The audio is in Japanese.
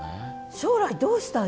将来どうしたいの？